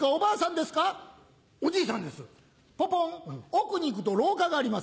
奥に行くと廊下があります。